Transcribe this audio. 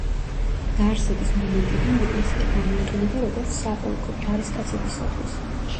დაარსების მომენტიდან ეკლესია გამოიყენება, როგორც საპოლკო, ჯარისკაცებისათვის.